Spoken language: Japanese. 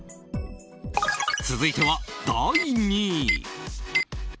続いては第２位。